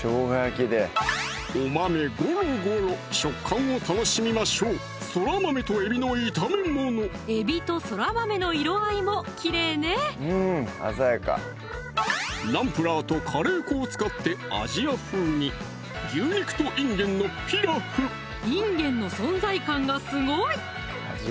お豆ゴロゴロ食感を楽しみましょう海老とそら豆の色合いもきれいねナンプラーとカレー粉を使ってアジア風にいんげんの存在感がすごい！